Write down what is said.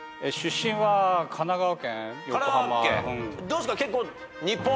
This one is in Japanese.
どうっすか？